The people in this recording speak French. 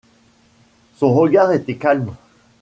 Son regard était calme